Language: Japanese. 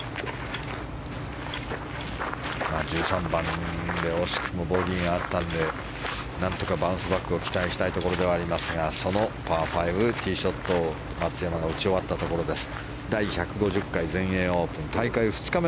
１３番で惜しくもボギーがあったので何とかバウンスバックを期待したいところですがそのパー５、ティーショットを松山が打ち終わったところです。